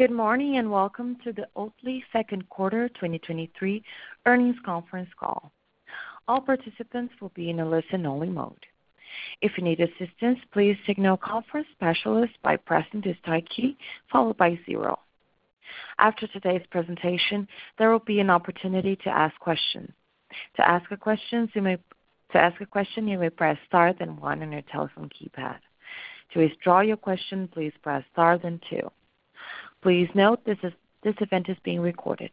Good morning, welcome to the Oatly Second Quarter 2023 Earnings Conference Call. All participants will be in a listen-only mode. If you need assistance, please signal conference specialist by pressing the star key, followed by 0. After today's presentation, there will be an opportunity to ask questions. To ask a question, you may press star, then 1 on your telephone keypad. To withdraw your question, please press star then 2. Please note this event is being recorded.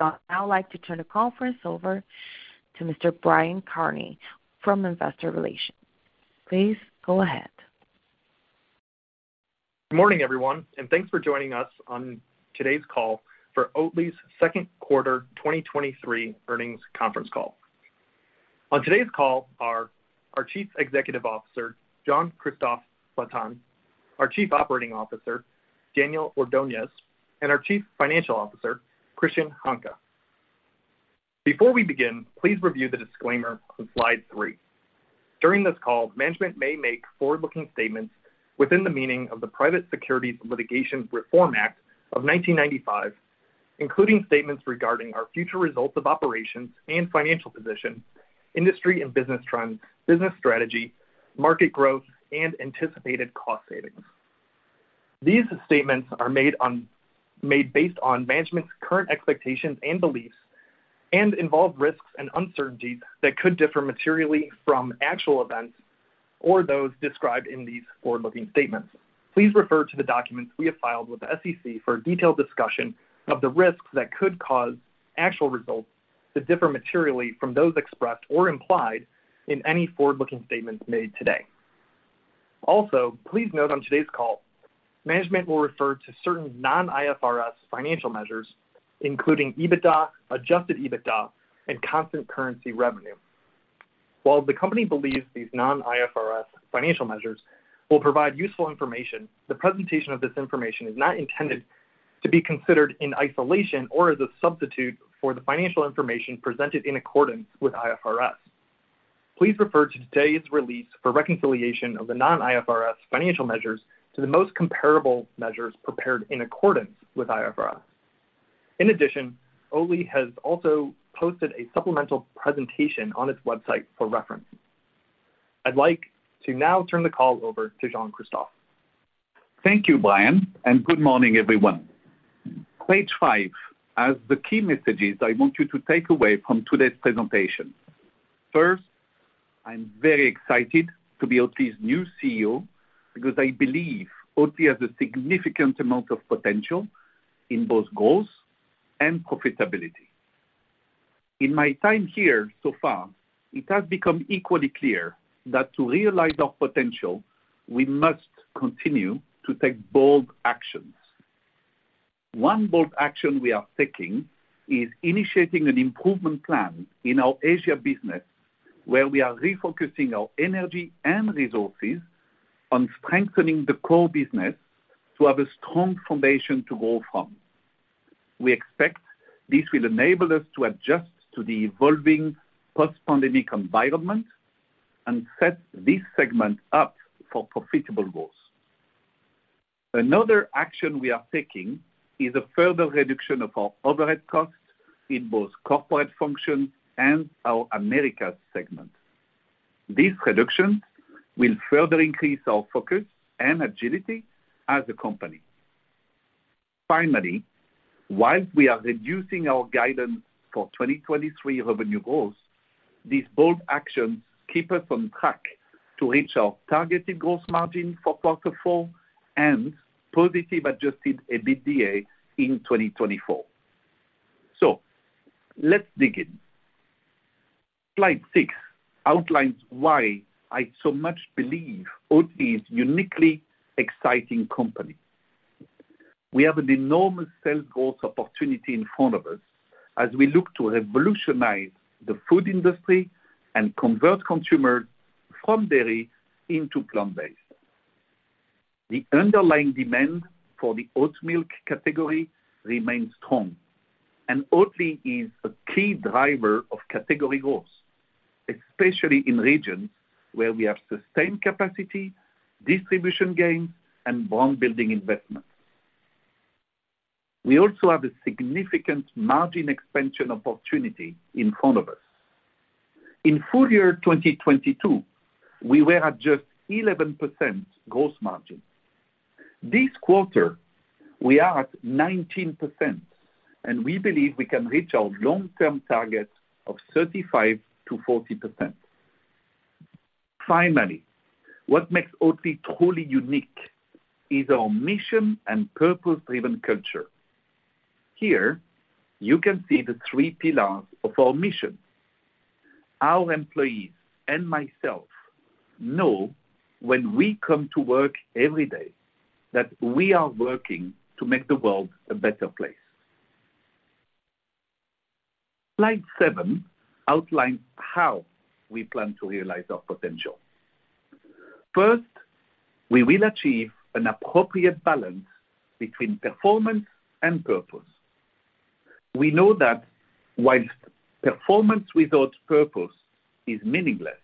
I'd now like to turn the conference over to Mr. Brian Kearney from Investor Relations. Please go ahead. Good morning, everyone. Thanks for joining us on today's call for Oatly's Second Quarter 2023 Earnings Conference Call. On today's call are our Chief Executive Officer, Jean-Christophe Flatin, our Chief Operating Officer, Daniel Ordóñez, and our Chief Financial Officer, Christian Hanke. Before we begin, please review the disclaimer on slide 3. During this call, management may make forward-looking statements within the meaning of the Private Securities Litigation Reform Act of 1995, including statements regarding our future results of operations and financial position, industry and business trends, business strategy, market growth, and anticipated cost savings. These statements are made based on management's current expectations and beliefs and involve risks and uncertainties that could differ materially from actual events or those described in these forward-looking statements. Please refer to the documents we have filed with the SEC for a detailed discussion of the risks that could cause actual results to differ materially from those expressed or implied in any forward-looking statements made today. Also, please note on today's call, management will refer to certain non-IFRS financial measures, including EBITDA, adjusted EBITDA, and constant currency revenue. While the company believes these non-IFRS financial measures will provide useful information, the presentation of this information is not intended to be considered in isolation or as a substitute for the financial information presented in accordance with IFRS. Please refer to today's release for reconciliation of the non-IFRS financial measures to the most comparable measures prepared in accordance with IFRS. In addition, Oatly has also posted a supplemental presentation on its website for reference. I'd like to now turn the call over to Jean-Christophe. Thank you, Brian. Good morning, everyone. Page 5 has the key messages I want you to take away from today's presentation. First, I'm very excited to be Oatly's new CEO because I believe Oatly has a significant amount of potential in both growth and profitability. In my time here, so far, it has become equally clear that to realize our potential, we must continue to take bold actions. One bold action we are taking is initiating an improvement plan in our Asia business, where we are refocusing our energy and resources on strengthening the core business to have a strong foundation to grow from. We expect this will enable us to adjust to the evolving post-pandemic environment and set this segment up for profitable growth. Another action we are taking is a further reduction of our overhead costs in both corporate functions and our Americas segment. These reductions will further increase our focus and agility as a company. Finally, whilst we are reducing our guidance for 2023 revenue growth, these bold actions keep us on track to reach our targeted gross margin for Q4 and positive Adjusted EBITDA in 2024. Let's dig in. Slide 6 outlines why I so much believe Oatly is a uniquely exciting company. We have an enormous sales growth opportunity in front of us as we look to revolutionize the food industry and convert consumers from dairy into plant-based. The underlying demand for the oat milk category remains strong, and Oatly is a key driver of category growth, especially in regions where we have sustained capacity, distribution gain, and brand building investment. We also have a significant margin expansion opportunity in front of us. In full year 2022, we were at just 11% gross margin. This quarter, we are at 19%. We believe we can reach our long-term target of 35%-40%. Finally, what makes Oatly truly unique is our mission and purpose-driven culture. Here, you can see the three pillars of our mission. Our employees and myself know when we come to work every day, that we are working to make the world a better place. Slide seven outlines how we plan to realize our potential. First, we will achieve an appropriate balance between performance and purpose. We know that whilst performance without purpose is meaningless,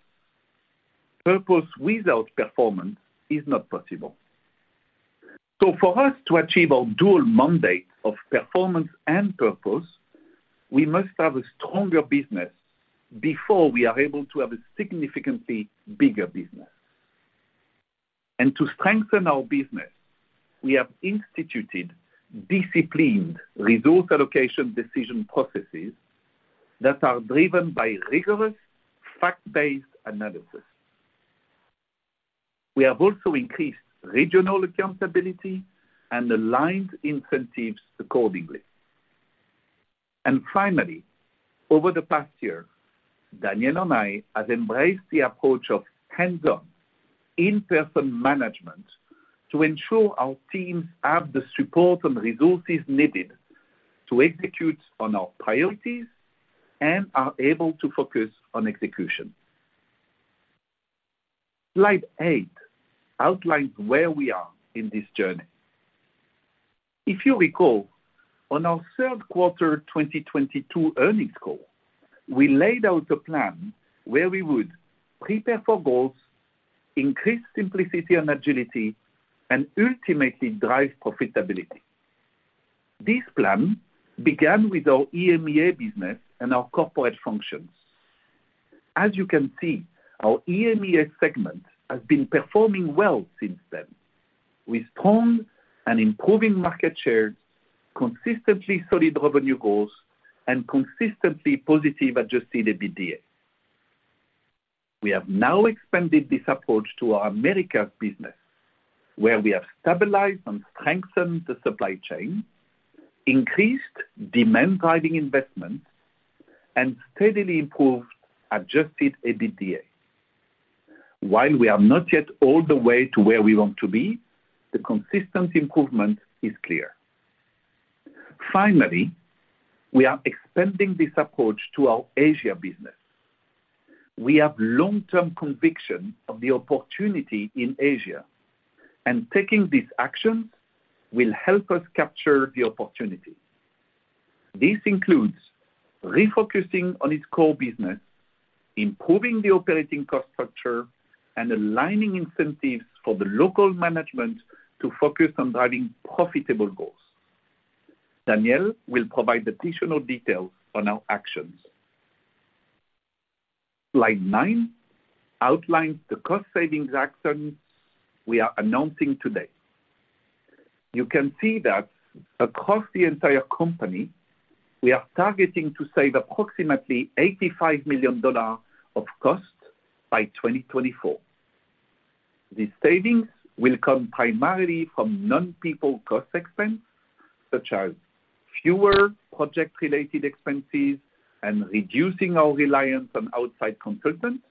purpose without performance is not possible. For us to achieve our dual mandate of performance and purpose, we must have a stronger business before we are able to have a significantly bigger business. To strengthen our business, we have instituted disciplined resource allocation decision processes that are driven by rigorous, fact-based analysis. We have also increased regional accountability and aligned incentives accordingly. Finally, over the past year, Daniel and I have embraced the approach of hands-on, in-person management to ensure our teams have the support and resources needed to execute on our priorities and are able to focus on execution. Slide 8 outlines where we are in this journey. If you recall, on our third quarter 2022 earnings call, we laid out a plan where we would prepare for growth, increase simplicity and agility, and ultimately drive profitability. This plan began with our EMEA business and our corporate functions. As you can see, our EMEA segment has been performing well since then, with strong and improving market share, consistently solid revenue growth, and consistently positive Adjusted EBITDA. We have now expanded this approach to our Americas business, where we have stabilized and strengthened the supply chain, increased demand-driving investment, and steadily improved Adjusted EBITDA. While we are not yet all the way to where we want to be, the consistent improvement is clear. We are expanding this approach to our Asia business. We have long-term conviction of the opportunity in Asia, and taking this action will help us capture the opportunity. This includes refocusing on its core business, improving the operating cost structure, and aligning incentives for the local management to focus on driving profitable growth. Daniel will provide additional details on our actions. Slide 9 outlines the cost savings actions we are announcing today. You can see that across the entire company, we are targeting to save approximately $85 million of cost by 2024. These savings will come primarily from non-people cost expense, such as fewer project-related expenses and reducing our reliance on outside consultants,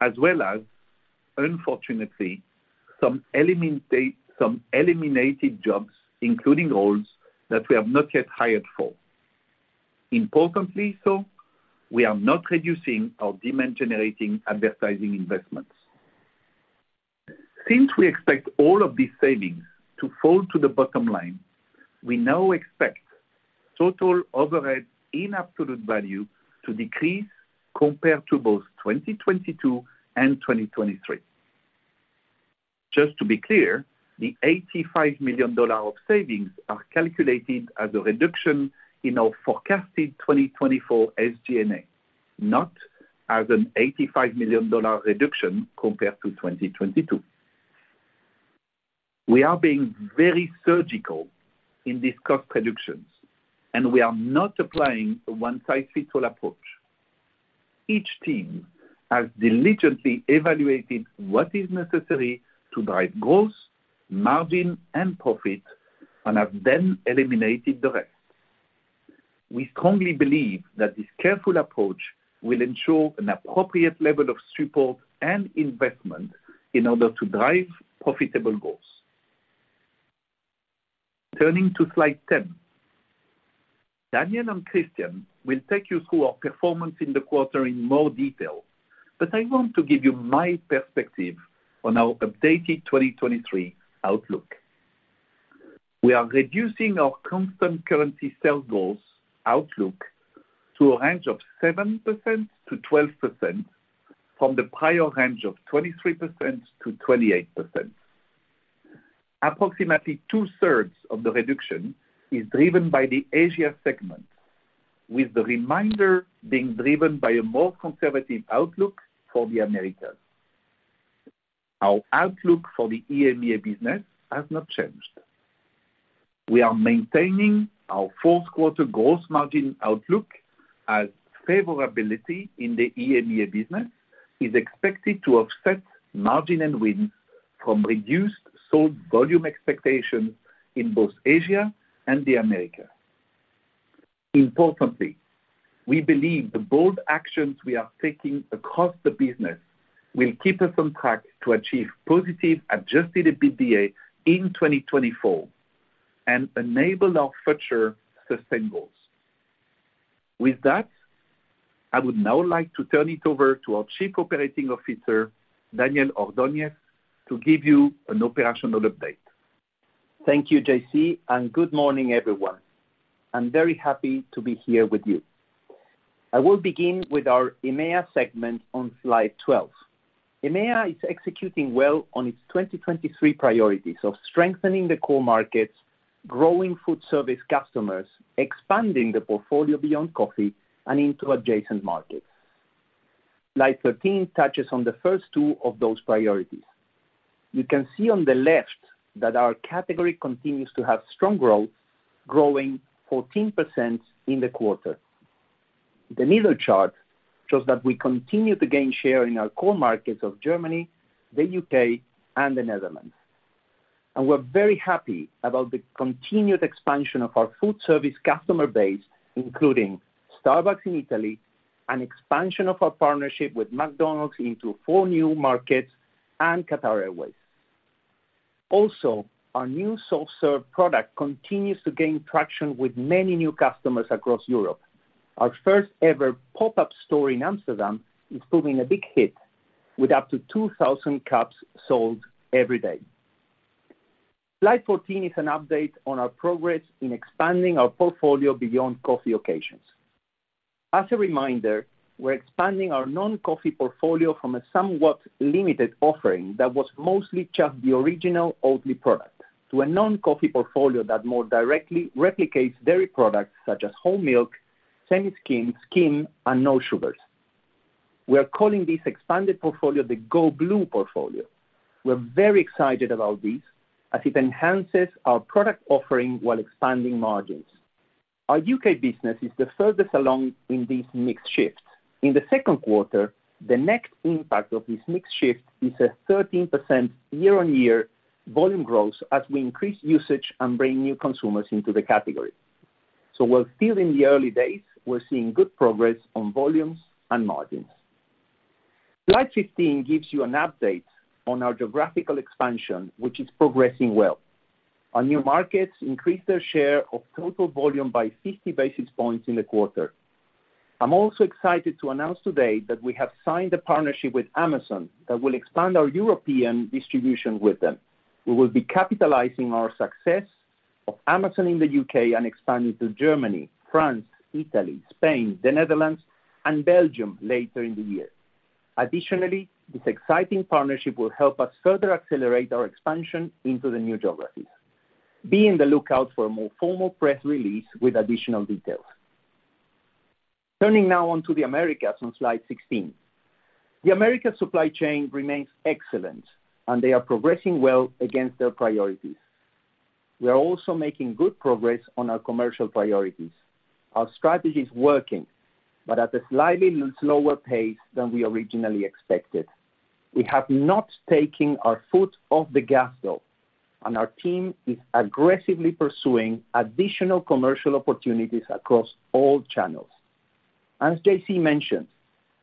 as well as, unfortunately, some eliminated jobs, including roles that we have not yet hired for. Importantly, we are not reducing our demand-generating advertising investments. Since we expect all of these savings to fall to the bottom line, we now expect total overhead in absolute value to decrease compared to both 2022 and 2023. Just to be clear, the $85 million of savings are calculated as a reduction in our forecasted 2024 SG&A, not as an $85 million reduction compared to 2022. We are being very surgical in these cost reductions, and we are not applying a one-size-fits-all approach. Each team has diligently evaluated what is necessary to drive growth, margin, and profit, and have then eliminated the rest. We strongly believe that this careful approach will ensure an appropriate level of support and investment in order to drive profitable growth. Turning to slide 10. Daniel and Christian will take you through our performance in the quarter in more detail, but I want to give you my perspective on our updated 2023 outlook. We are reducing our constant currency sales goals outlook to a range of 7%-12% from the prior range of 23%-28%. Approximately two-thirds of the reduction is driven by the Asia segment, with the remainder being driven by a more conservative outlook for the Americas. Our outlook for the EMEA business has not changed. We are maintaining our fourth quarter gross margin outlook as favorability in the EMEA business is expected to offset margin headwinds from reduced sold volume expectations in both Asia and the Americas. Importantly, we believe the bold actions we are taking across the business will keep us on track to achieve positive Adjusted EBITDA in 2024 and enable our future sustained goals. With that, I would now like to turn it over to our Chief Operating Officer, Daniel Ordóñez, to give you an operational update. Thank you, J.C., and good morning, everyone. I'm very happy to be here with you. I will begin with our EMEA segment on slide 12. EMEA is executing well on its 2023 priorities of strengthening the core markets, growing food service customers, expanding the portfolio beyond coffee and into adjacent markets. Slide 13 touches on the first two of those priorities. You can see on the left that our category continues to have strong growth, growing 14% in the quarter. The middle chart shows that we continue to gain share in our core markets of Germany, the U.K., and the Netherlands. We're very happy about the continued expansion of our food service customer base, including Starbucks in Italy, and expansion of our partnership with McDonald's into four new markets and Qatar Airways. Our new self-serve product continues to gain traction with many new customers across Europe. Our first ever pop-up store in Amsterdam is proving a big hit, with up to 2,000 cups sold every day. Slide 14 is an update on our progress in expanding our portfolio beyond coffee occasions. As a reminder, we're expanding our non-coffee portfolio from a somewhat limited offering that was mostly just the original Oatly product, to a non-coffee portfolio that more directly replicates dairy products such as whole milk, semi-skim, skim, and no sugars. We are calling this expanded portfolio the Go Blue portfolio. We're very excited about this, as it enhances our product offering while expanding margins. Our U.K. business is the furthest along in this mixed shift. In the second quarter, the next impact of this mixed shift is a 13% year-on-year volume growth as we increase usage and bring new consumers into the category. While still in the early days, we're seeing good progress on volumes and margins. Slide 15 gives you an update on our geographical expansion, which is progressing well. Our new markets increase their share of total volume by 50 basis points in the quarter. I'm also excited to announce today that we have signed a partnership with Amazon, that will expand our European distribution with them. We will be capitalizing our success of Amazon in the U.K. and expanding to Germany, France, Italy, Spain, the Netherlands, and Belgium later in the year. This exciting partnership will help us further accelerate our expansion into the new geographies. Be in the lookout for a more formal press release with additional details. Turning now on to the Americas on slide 16. The Americas supply chain remains excellent, and they are progressing well against their priorities. We are also making good progress on our commercial priorities. Our strategy is working, but at a slightly slower pace than we originally expected. We have not taken our foot off the gas though. Our team is aggressively pursuing additional commercial opportunities across all channels. As JC mentioned,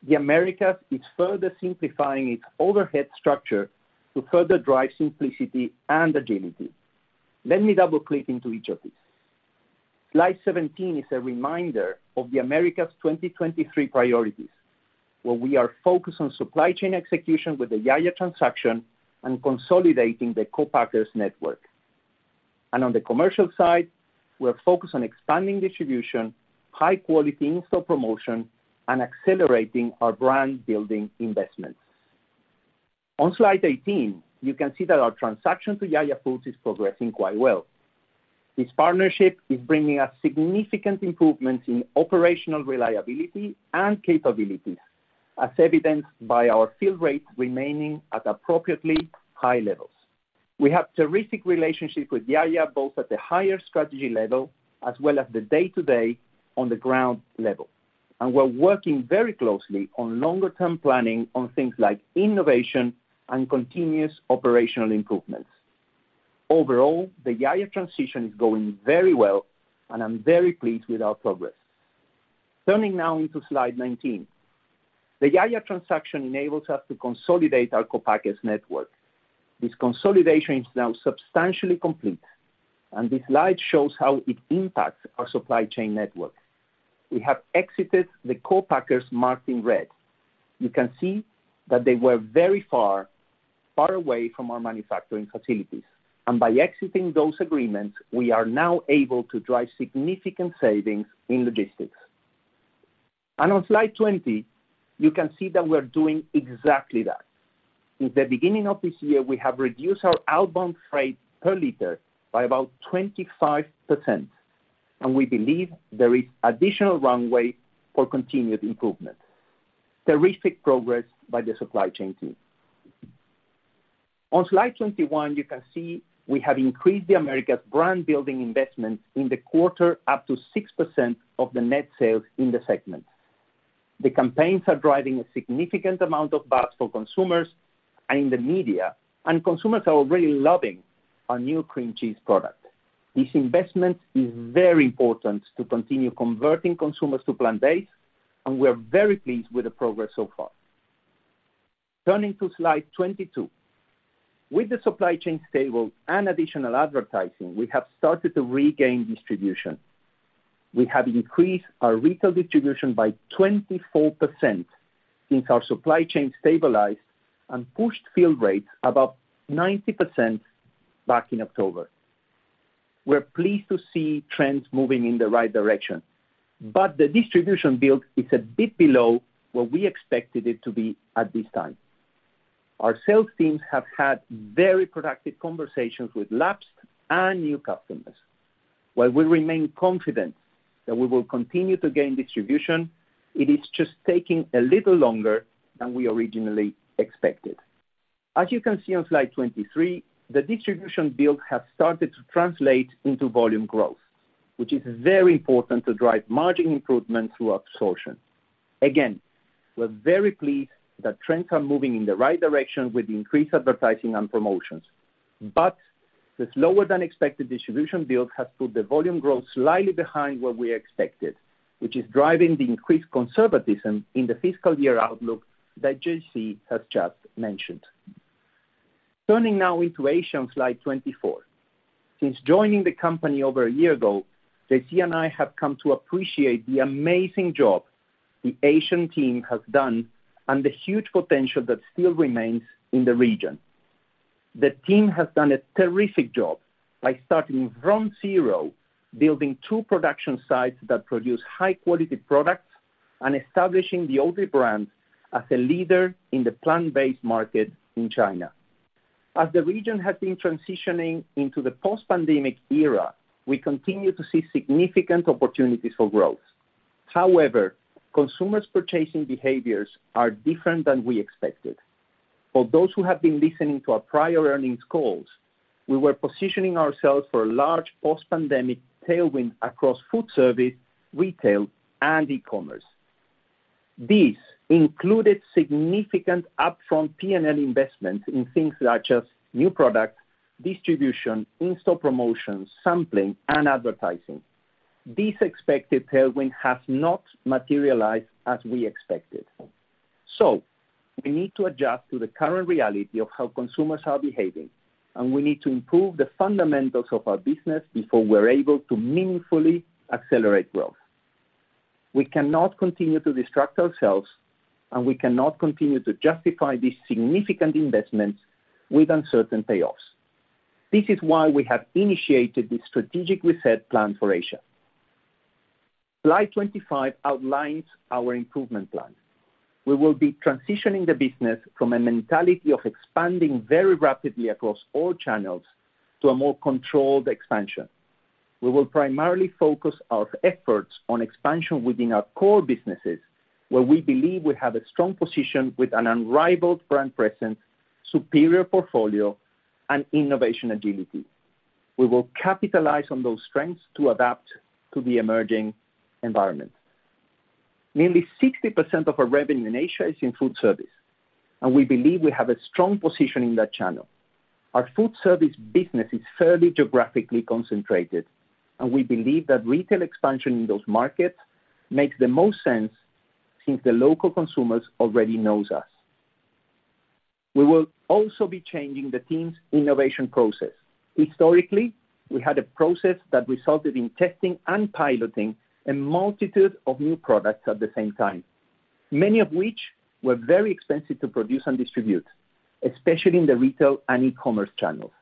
the Americas is further simplifying its overhead structure to further drive simplicity and agility. Let me double-click into each of these. Slide 17 is a reminder of the Americas' 2023 priorities, where we are focused on supply chain execution with the Yaya transaction and consolidating the co-packers network. On the commercial side, we are focused on expanding distribution, high quality in-store promotion, and accelerating our brand building investments. On slide 18, you can see that our transaction to Ya YA Foods is progressing quite well. This partnership is bringing us significant improvements in operational reliability and capabilities, as evidenced by our fill rate remaining at appropriately high levels. We have terrific relationship with Ya YA Foods, both at the higher strategy level as well as the day-to-day on the ground level, and we're working very closely on longer term planning on things like innovation and continuous operational improvements. Overall, the Ya YA Foods transition is going very well, and I'm very pleased with our progress. Turning now into slide 19. The Ya YA Foods transaction enables us to consolidate our co-packers network. This consolidation is now substantially complete, and this slide shows how it impacts our supply chain network. We have exited the co-packers marked in red. You can see that they were very far away from our manufacturing facilities, and by exiting those agreements, we are now able to drive significant savings in logistics. On slide 20, you can see that we're doing exactly that. Since the beginning of this year, we have reduced our outbound freight per liter by about 25%, and we believe there is additional runway for continued improvement. Terrific progress by the supply chain team. On slide 21, you can see we have increased the Americas brand building investment in the quarter up to 6% of the net sales in the segment. The campaigns are driving a significant amount of buzz for consumers and in the media, and consumers are already loving our new cream cheese product. This investment is very important to continue converting consumers to plant-based, and we're very pleased with the progress so far. Turning to slide 22. With the supply chain stable and additional advertising, we have started to regain distribution. We have increased our retail distribution by 24% since our supply chain stabilized and pushed field rates above 90% back in October. We're pleased to see trends moving in the right direction. The distribution build is a bit below what we expected it to be at this time. Our sales teams have had very productive conversations with lapsed and new customers. While we remain confident that we will continue to gain distribution, it is just taking a little longer than we originally expected. As you can see on slide 23, the distribution build has started to translate into volume growth, which is very important to drive margin improvement through absorption. Again, we're very pleased that trends are moving in the right direction with increased advertising and promotions. The slower than expected distribution build has put the volume growth slightly behind what we expected, which is driving the increased conservatism in the fiscal year outlook that JC has just mentioned. Turning now into Asia, on slide 24. Since joining the company over a year ago, JC and I have come to appreciate the amazing job the Asian team has done and the huge potential that still remains in the region. The team has done a terrific job by starting from zero, building two production sites that produce high quality products, and establishing the Oatly brand as a leader in the plant-based market in China. As the region has been transitioning into the post-pandemic era, we continue to see significant opportunities for growth. Consumers' purchasing behaviors are different than we expected. For those who have been listening to our prior earnings calls, we were positioning ourselves for a large post-pandemic tailwind across food service, retail, and e-commerce. This included significant upfront P&L investment in things such as new product, distribution, in-store promotions, sampling, and advertising. This expected tailwind has not materialized as we expected. We need to adjust to the current reality of how consumers are behaving, and we need to improve the fundamentals of our business before we're able to meaningfully accelerate growth. We cannot continue to distract ourselves, and we cannot continue to justify these significant investments with uncertain payoffs. This is why we have initiated the strategic reset plan for Asia. Slide 25 outlines our improvement plan. We will be transitioning the business from a mentality of expanding very rapidly across all channels to a more controlled expansion. We will primarily focus our efforts on expansion within our core businesses, where we believe we have a strong position with an unrivaled brand presence, superior portfolio, and innovation agility. We will capitalize on those strengths to adapt to the emerging environment. Nearly 60% of our revenue in Asia is in food service, and we believe we have a strong position in that channel. Our food service business is fairly geographically concentrated, and we believe that retail expansion in those markets makes the most sense since the local consumers already knows us. We will also be changing the team's innovation process. Historically, we had a process that resulted in testing and piloting a multitude of new products at the same time, many of which were very expensive to produce and distribute, especially in the retail and e-commerce channels.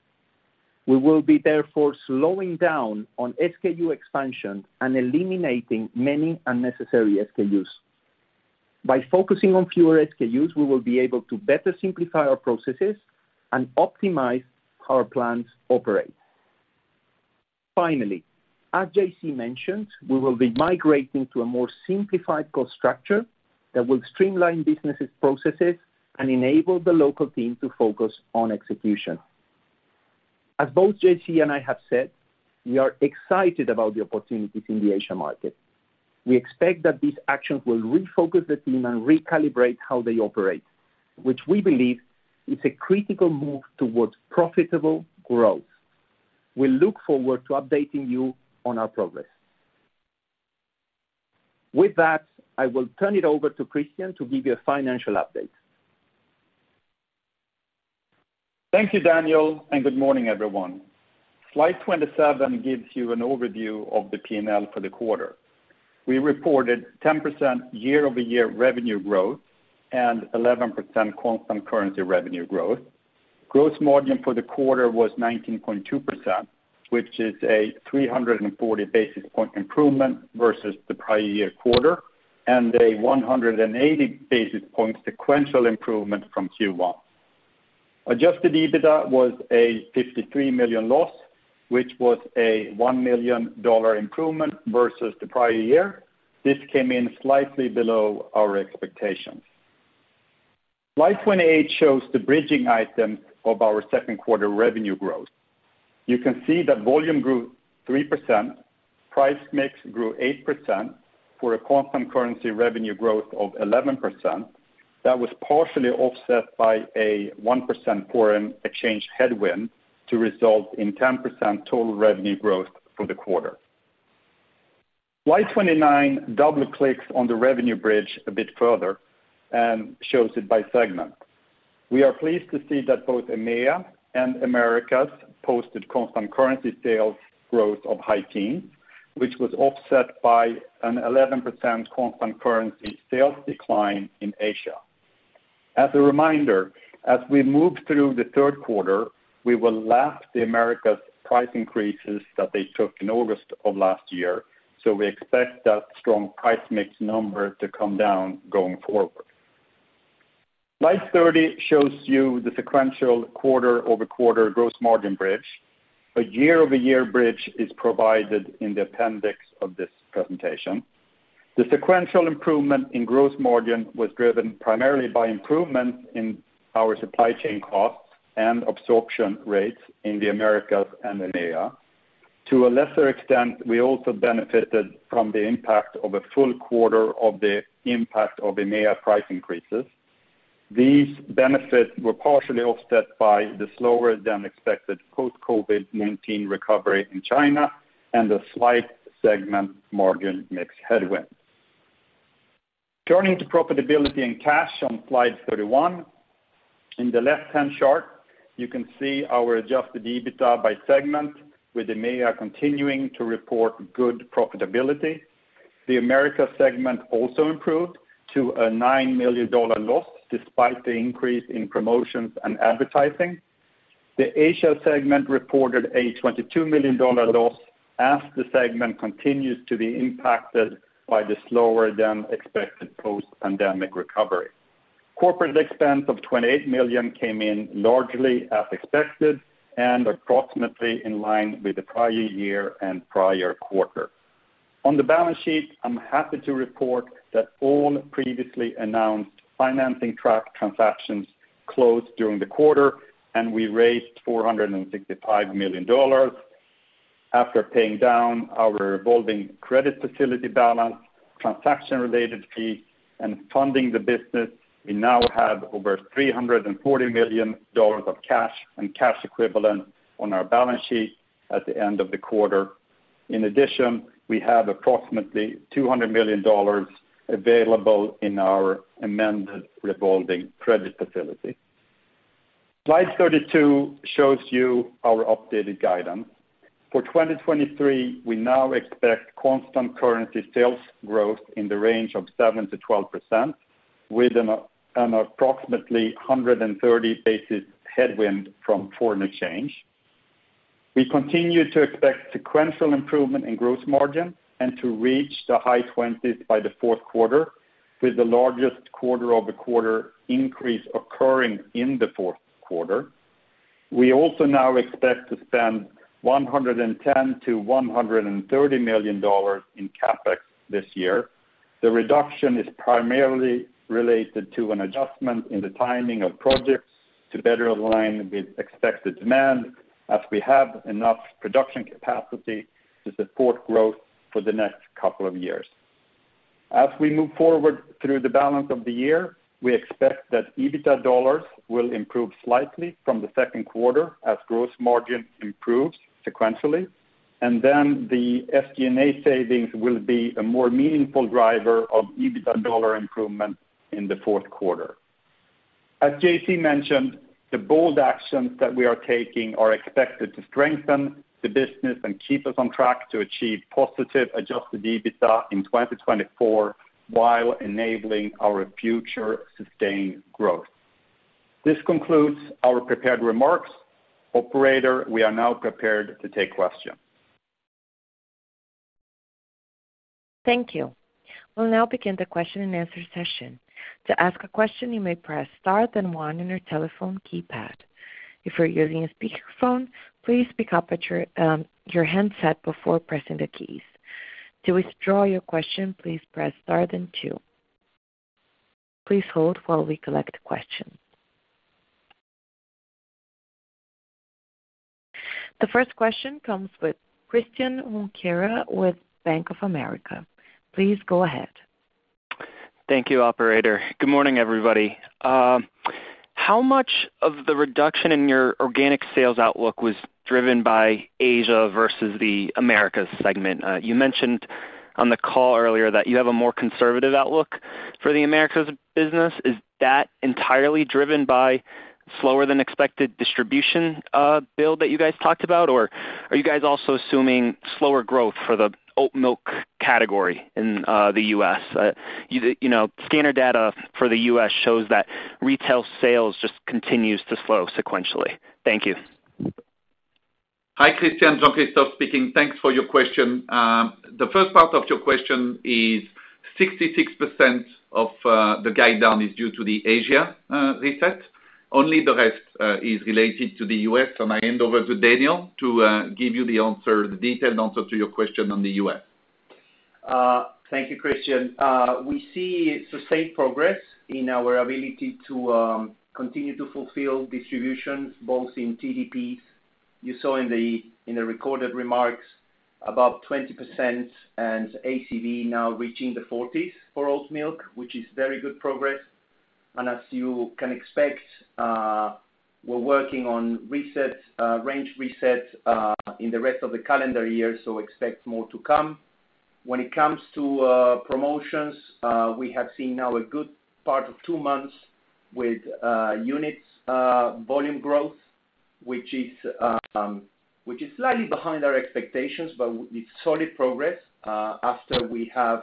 We will be therefore slowing down on SKU expansion and eliminating many unnecessary SKUs. By focusing on fewer SKUs, we will be able to better simplify our processes and optimize how our plans operate. Finally, as JC mentioned, we will be migrating to a more simplified cost structure that will streamline businesses processes and enable the local team to focus on execution. As both JC and I have said, we are excited about the opportunities in the Asia market. We expect that these actions will refocus the team and recalibrate how they operate, which we believe is a critical move towards profitable growth. We look forward to updating you on our progress. With that, I will turn it over to Christian to give you a financial update. Thank you, Daniel, and good morning, everyone. Slide 27 gives you an overview of the P&L for the quarter. We reported 10% year-over-year revenue growth and 11% constant currency revenue growth. Gross margin for the quarter was 19.2%, which is a 340-basis point improvement versus the prior year quarter, and a 180-basis point sequential improvement from Q1. Adjusted EBITDA was a $53 million loss, which was a $1 million improvement versus the prior year. This came in slightly below our expectations. Slide 28 shows the bridging items of our second quarter revenue growth. You can see that volume grew 3%, price mix grew 8% for a constant currency revenue growth of 11%. That was partially offset by a 1% foreign exchange headwind to result in 10% total revenue growth for the quarter. Slide 29 double clicks on the revenue bridge a bit further and shows it by segment.... We are pleased to see that both EMEA and Americas posted constant currency sales growth of high teen, which was offset by an 11% constant currency sales decline in Asia. As a reminder, as we move through the third quarter, we will lap the Americas price increases that they took in August of last year, so we expect that strong price mix number to come down going forward. Slide 30 shows you the sequential quarter-over-quarter gross margin bridge. A year-over-year bridge is provided in the appendix of this presentation. The sequential improvement in gross margin was driven primarily by improvements in our supply chain costs and absorption rates in the Americas and EMEA. To a lesser extent, we also benefited from the impact of a full quarter of the impact of EMEA price increases. These benefits were partially offset by the slower than expected post-COVID-19 recovery in China and a slight segment margin mix headwind. Turning to profitability and cash on slide 31. In the left-hand chart, you can see our Adjusted EBITDA by segment, with EMEA continuing to report good profitability. The Americas segment also improved to a $9 million loss, despite the increase in promotions and advertising. The Asia segment reported a $22 million loss, as the segment continues to be impacted by the slower than expected post-pandemic recovery. Corporate expense of $28 million came in largely as expected and approximately in line with the prior year and prior quarter. On the balance sheet, I'm happy to report that all previously announced financing track transactions closed during the quarter, and we raised $465 million. After paying down our revolving credit facility balance, transaction-related fees, and funding the business, we now have over $340 million of cash and cash equivalent on our balance sheet at the end of the quarter. In addition, we have approximately $200 million available in our amended revolving credit facility. Slide 32 shows you our updated guidance. For 2023, we now expect constant currency sales growth in the range of 7%-12%, with an approximately 130 basis headwind from foreign exchange. We continue to expect sequential improvement in gross margin and to reach the high 20s by the fourth quarter, with the largest quarter-over-quarter increase occurring in the fourth quarter. We also now expect to spend $110-$130 million in CapEx this year. The reduction is primarily related to an adjustment in the timing of projects to better align with expected demand, as we have enough production capacity to support growth for the next couple of years. As we move forward through the balance of the year, we expect that EBITDA dollars will improve slightly from the second quarter as gross margin improves sequentially, and then the SG&A savings will be a more meaningful driver of EBITDA dollar improvement in the fourth quarter. As JC mentioned, the bold actions that we are taking are expected to strengthen the business and keep us on track to achieve positive Adjusted EBITDA in 2024, while enabling our future sustained growth. This concludes our prepared remarks. Operator, we are now prepared to take questions. Thank you. We'll now begin the question and answer session. To ask a question, you may press Star then One on your telephone keypad. If you're using a speakerphone, please pick up at your handset before pressing the keys. To withdraw your question, please press Star then Two. Please hold while we collect questions. The first question comes with Christian Junquera with Bank of America. Please go ahead. Thank you, operator. Good morning, everybody. How much of the reduction in your organic sales outlook was driven by Asia versus the Americas segment? You mentioned on the call earlier that you have a more conservative outlook for the Americas business. Is that entirely driven by slower than expected distribution build that you guys talked about? Or are you guys also assuming slower growth for the oat milk category in the U.S.? You know, scanner data for the U.S. shows that retail sales just continues to slow sequentially. Thank you. Hi, Christian, Jean-Christophe speaking. Thanks for your question. The first part of your question is 66% of the guide down is due to the Asia reset. Only the rest is related to the U.S. I hand over to Daniel to give you the answer, the detailed answer to your question on the U.S. Thank you, Christian. We see sustained progress in our ability to continue to fulfill distributions, both in TDPs. You saw in the recorded remarks, about 20% and ACV now reaching the 40s for oat milk, which is very good progress, and as you can expect.... We're working on reset, range reset, in the rest of the calendar year. Expect more to come. When it comes to promotions, we have seen now a good part of two months with units, volume growth, which is slightly behind our expectations, but it's solid progress, after we have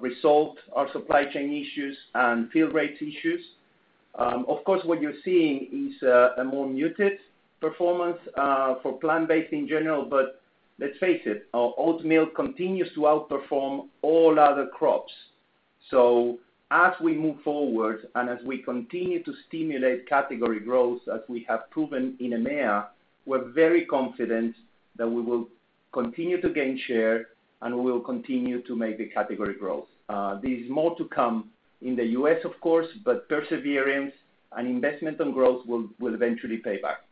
resolved our supply chain issues and field rates issues. Of course, what you're seeing is a more muted performance for plant-based in general, but let's face it, our oat milk continues to outperform all other crops. As we move forward and as we continue to stimulate category growth, as we have proven in EMEA, we're very confident that we will continue to gain share, and we will continue to make the category growth. There's more to come in the U.S., of course, but perseverance and investment on growth will eventually pay back.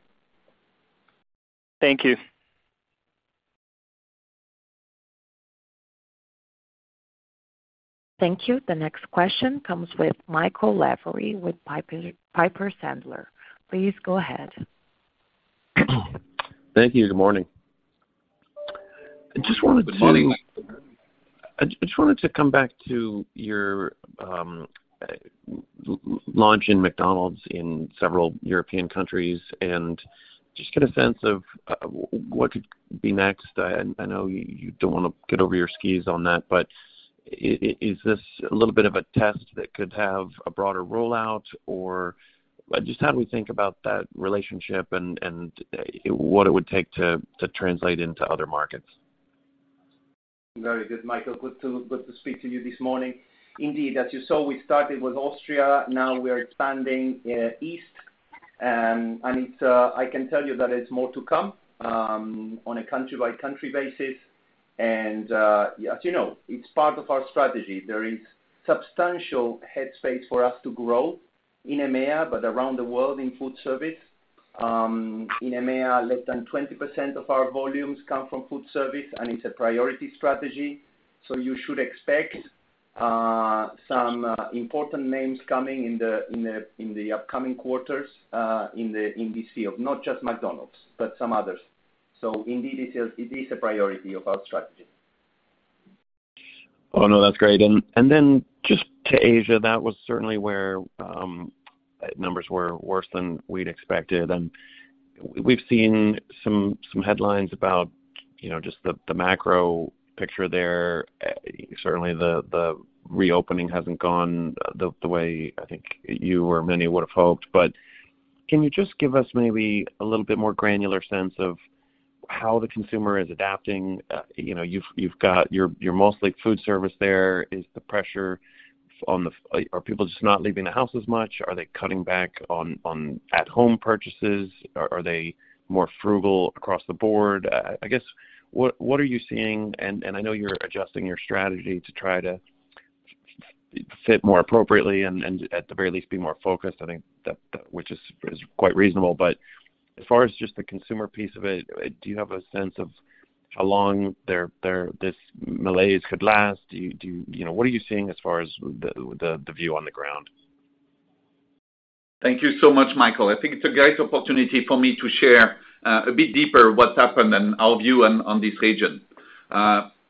Thank you. Thank you. The next question comes with Michael Lavery, with Piper Sandler. Please go ahead. Thank you. Good morning. I just wanted to-. Good morning. I just wanted to come back to your launch in McDonald's in several European countries and just get a sense of what could be next. I know you don't wanna get over your skis on that, but is this a little bit of a test that could have a broader rollout, or? Just how do we think about that relationship and what it would take to translate into other markets? Very good, Michael. Good to speak to you this morning. Indeed, as you saw, we started with Austria, now we are expanding east. It's I can tell you that it's more to come on a country-by-country basis. As you know, it's part of our strategy. There is substantial headspace for us to grow in EMEA, but around the world in food service. In EMEA, less than 20% of our volumes come from food service, and it's a priority strategy. You should expect some important names coming in the upcoming quarters in this field, not just McDonald's, but some others. Indeed, it is a priority of our strategy. Oh, no, that's great. Then just to Asia, that was certainly where numbers were worse than we'd expected. We've seen some headlines about, you know, just the macro picture there. Certainly the reopening hasn't gone the way I think you or many would have hoped. Can you just give us maybe a little bit more granular sense of how the consumer is adapting? You know, you're mostly food service there. Are people just not leaving the house as much? Are they cutting back on at-home purchases? Are they more frugal across the board? I guess, what are you seeing? I know you're adjusting your strategy to try to fit more appropriately and at the very least, be more focused. I think that which is quite reasonable. As far as just the consumer piece of it, do you have a sense of how long their this malaise could last? Do you know, what are you seeing as far as the view on the ground? Thank you so much, Michael Lavery. I think it's a great opportunity for me to share a bit deeper what's happened and our view on this region.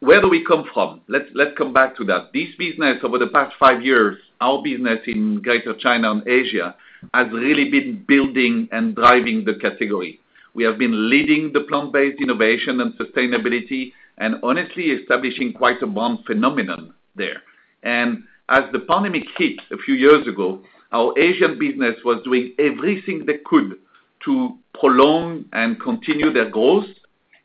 Where do we come from? Let's come back to that. This business, over the past five years, our business in Greater China and Asia, has really been building and driving the category. We have been leading the plant-based innovation and sustainability, and honestly establishing quite a brand phenomenon there. As the pandemic hit a few years ago, our Asian business was doing everything they could to prolong and continue their growth.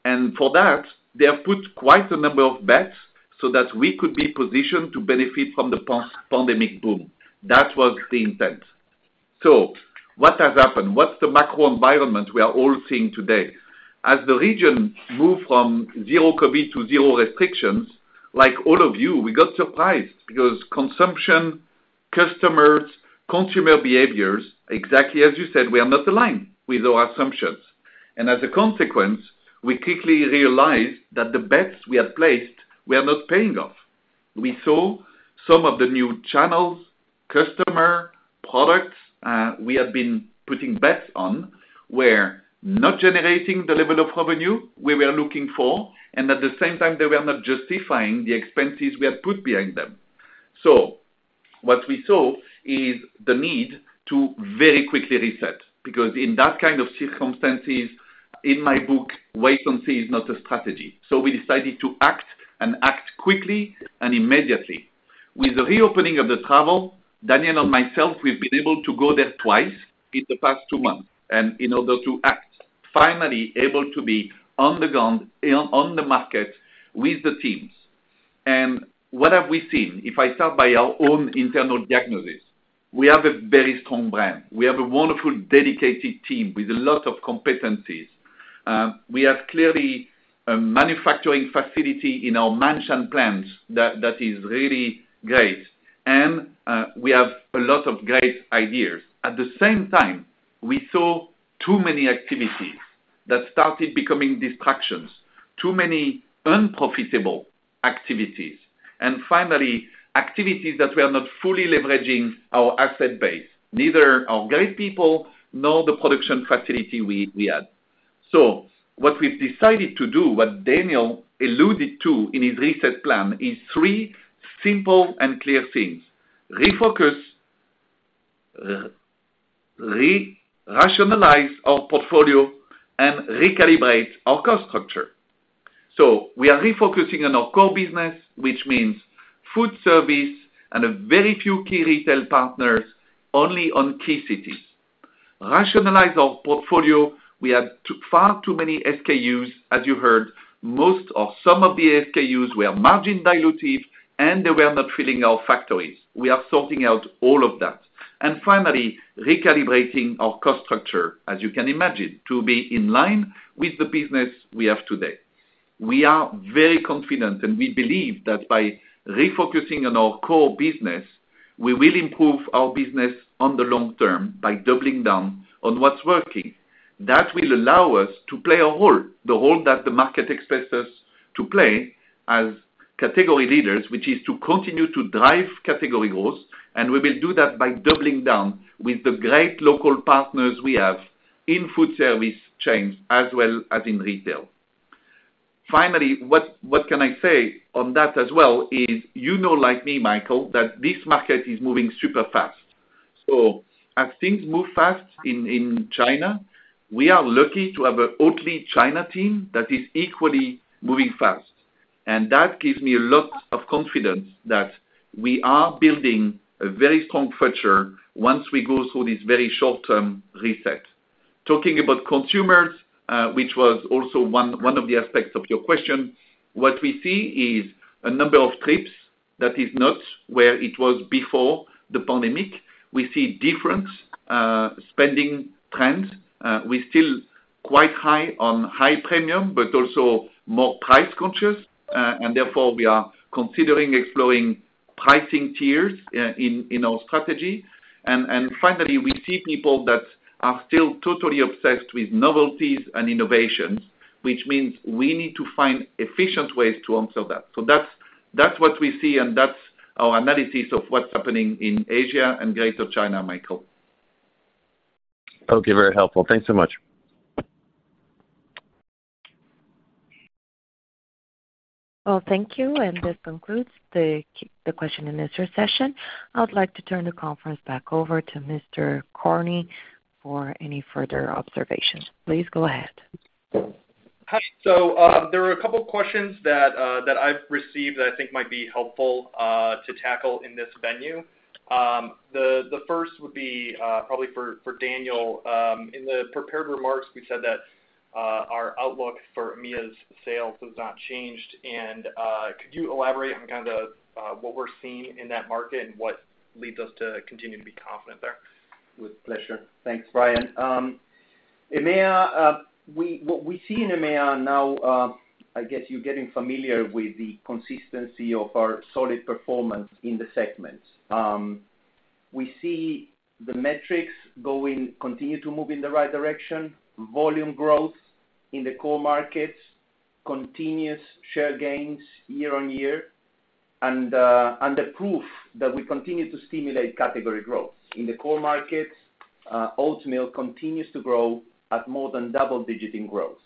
For that, they have put quite a number of bets so that we could be positioned to benefit from the post-pandemic boom. That was the intent. What has happened? What's the macro environment we are all seeing today? As the region moved from zero COVID to zero restrictions, like all of you, we got surprised because consumption, customers, consumer behaviors, exactly as you said, were not aligned with our assumptions. As a consequence, we quickly realized that the bets we had placed were not paying off. We saw some of the new channels, customer, products, we had been putting bets on, were not generating the level of revenue we were looking for, and at the same time, they were not justifying the expenses we had put behind them. What we saw is the need to very quickly reset, because in that kind of circumstances, in my book, wait and see is not a strategy. We decided to act and act quickly and immediately. With the reopening of the travel, Daniel and myself, we've been able to go there twice in the past two months, in order to act, finally able to be on the ground, on the market with the teams. What have we seen? If I start by our own internal diagnosis, we have a very strong brand. We have a wonderful, dedicated team with a lot of competencies. We have clearly a manufacturing facility in our Ma'anshan plant that is really great, and we have a lot of great ideas. At the same time, we saw too many activities.... that started becoming distractions, too many unprofitable activities, finally, activities that we are not fully leveraging our asset base, neither our great people nor the production facility we had. What we've decided to do, what Daniel alluded to in his reset plan, is three simple and clear things: refocus, re-rationalize our portfolio, and recalibrate our cost structure. We are refocusing on our core business, which means food service and a very few key retail partners, only on key cities. Rationalize our portfolio, we had far too many SKUs, as you heard. Most of some of the SKUs were margin dilutive, and they were not filling our factories. We are sorting out all of that. Finally, recalibrating our cost structure, as you can imagine, to be in line with the business we have today. We are very confident, and we believe that by refocusing on our core business, we will improve our business on the long term by doubling down on what's working. That will allow us to play a role, the role that the market expects us to play as category leaders, which is to continue to drive category growth, and we will do that by doubling down with the great local partners we have in food service chains as well as in retail. Finally, what can I say on that as well is, you know, like me, Michael, that this market is moving super fast. As things move fast in China, we are lucky to have a Oatly China team that is equally moving fast. That gives me a lot of confidence that we are building a very strong future once we go through this very short term reset. Talking about consumers, which was also one of the aspects of your question, what we see is a number of trips that is not where it was before the pandemic. We see different spending trends. We're still quite high on high premium, but also more price conscious, and therefore, we are considering exploring pricing tiers in our strategy. Finally, we see people that are still totally obsessed with novelties and innovations, which means we need to find efficient ways to answer that. That's what we see, and that's our analysis of what's happening in Asia and Greater China, Michael. Okay, very helpful. Thanks so much. Well, thank you, and this concludes the question and answer session. I would like to turn the conference back over to Mr. Kearney for any further observations. Please go ahead. Hi. There are a couple of questions that I've received that I think might be helpful to tackle in this venue. The first would be probably for Daniel. In the prepared remarks, we said that our outlook for EMEA's sales has not changed, and could you elaborate on kind of what we're seeing in that market and what leads us to continue to be confident there? With pleasure. Thanks, Brian. EMEA, what we see in EMEA now, I guess you're getting familiar with the consistency of our solid performance in the segments. We see the metrics going, continue to move in the right direction, volume growth in the core markets, continuous share gains year-on-year, and the proof that we continue to stimulate category growth. In the core markets, oat milk continues to grow at more than double-digit in growth.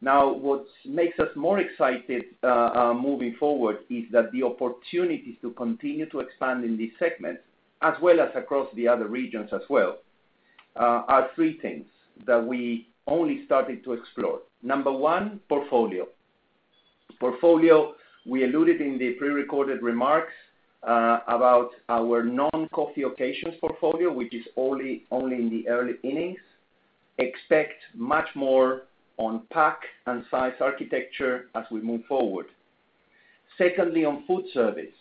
What makes us more excited moving forward is that the opportunities to continue to expand in this segment, as well as across the other regions as well, are three things that we only started to explore. Number one, portfolio. Portfolio, we alluded in the prerecorded remarks, about our non-coffee occasions portfolio, which is only in the early innings. Expect much more on pack and size architecture as we move forward. Secondly, on food service.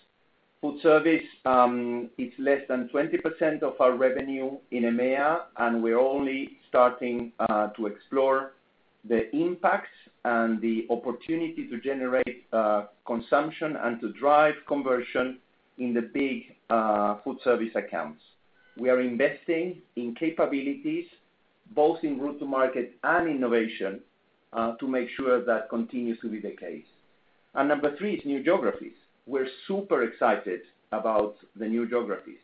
Food service is less than 20% of our revenue in EMEA, we're only starting to explore the impacts and the opportunity to generate consumption and to drive conversion in the big food service accounts. We are investing in capabilities, both in go-to-market and innovation, to make sure that continues to be the case. Number three is new geographies. We're super excited about the new geographies.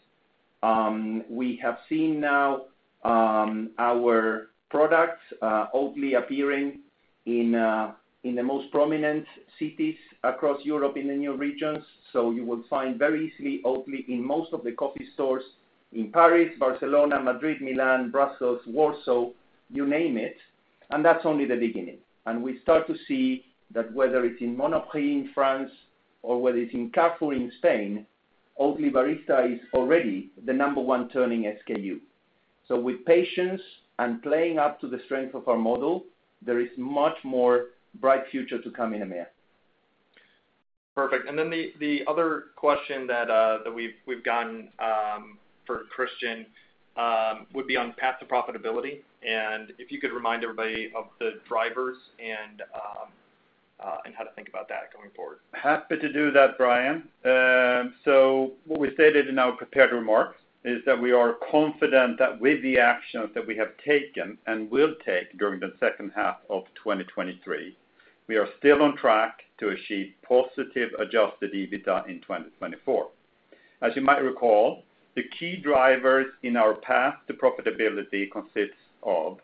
We have seen now our products, Oatly appearing in the most prominent cities across Europe in the new regions. You will find very easily Oatly in most of the coffee stores in Paris, Barcelona, Madrid, Milan, Brussels, Warsaw, you name it, and that's only the beginning. We start to see that whether it's in Monoprix in France or whether it's in Carrefour in Spain, Oatly Barista is already the number one turning SKU. With patience and playing up to the strength of our model, there is much more bright future to come in EMEA. Perfect. The other question that we've gotten for Christian would be on path to profitability, and if you could remind everybody of the drivers and how to think about that going forward? Happy to do that, Brian. What we stated in our prepared remarks is that we are confident that with the actions that we have taken and will take during the second half of 2023, we are still on track to achieve positive Adjusted EBITDA in 2024. As you might recall, the key drivers in our path to profitability consists of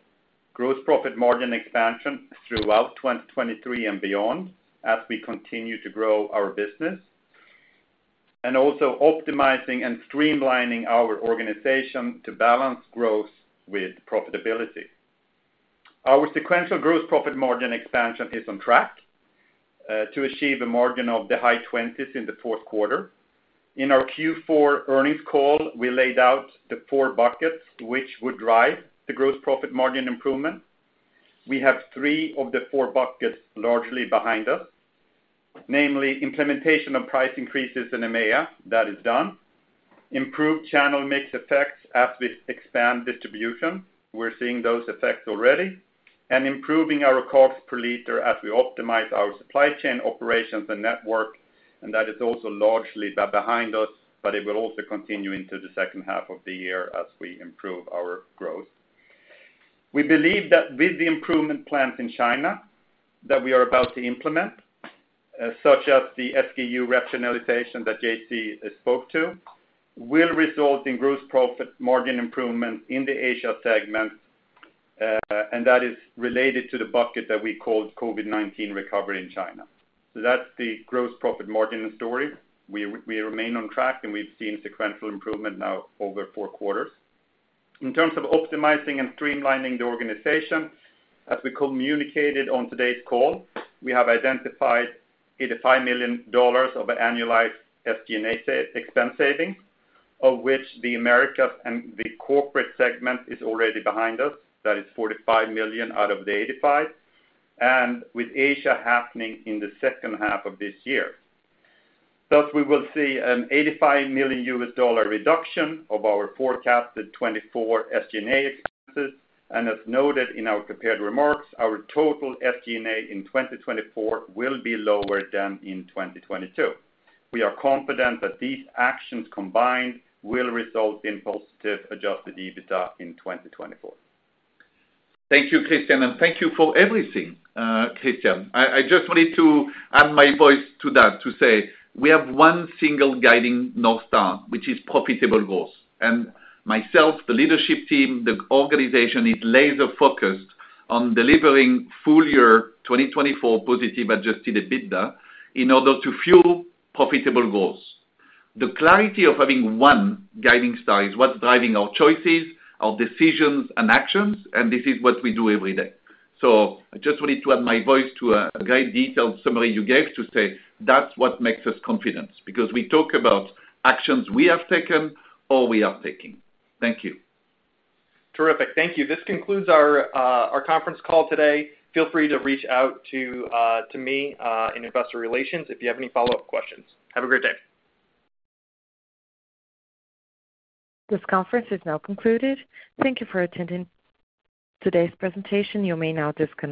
gross profit margin expansion throughout 2023 and beyond, as we continue to grow our business, and also optimizing and streamlining our organization to balance growth with profitability. Our sequential gross profit margin expansion is on track to achieve a margin of the high twenties in the fourth quarter. In our Q4 earnings call, we laid out the four buckets which would drive the gross profit margin improvement. We have three of the four buckets largely behind us, namely, implementation of price increases in EMEA, that is done. Improved channel mix effects as we expand distribution, we're seeing those effects already. Improving our costs per liter as we optimize our supply chain operations and network, and that is also largely behind us, but it will also continue into the second half of the year as we improve our growth. We believe that with the improvement plans in China, that we are about to implement, such as the SKU rationalization that JC spoke to, will result in gross profit margin improvement in the Asia segment, and that is related to the bucket that we called COVID-19 recovery in China. That's the gross profit margin story. We remain on track, and we've seen sequential improvement now over four quarters. In terms of optimizing and streamlining the organization, as we communicated on today's call, we have identified $85 million of annualized SG&A expense savings, of which the Americas and the corporate segment is already behind us. That is $45 million out of the 85, and with Asia happening in the second half of this year. We will see an $85 million reduction of our forecasted 2024 SG&A expenses, and as noted in our prepared remarks, our total SG&A in 2024 will be lower than in 2022. We are confident that these actions combined will result in positive Adjusted EBITDA in 2024. Thank you, Christian, and thank you for everything, Christian. I just wanted to add my voice to that, to say we have one single guiding North Star, which is profitable growth. Myself, the leadership team, the organization, is laser-focused on delivering full year 2024 positive Adjusted EBITDA in order to fuel profitable growth. The clarity of having one guiding star is what's driving our choices, our decisions, and actions, and this is what we do every day. I just wanted to add my voice to a great detailed summary you gave to say, that's what makes us confident, because we talk about actions we have taken or we are taking. Thank you. Terrific. Thank you. This concludes our conference call today. Feel free to reach out to me in investor relations, if you have any follow-up questions. Have a great day. This conference is now concluded. Thank you for attending today's presentation. You may now disconnect.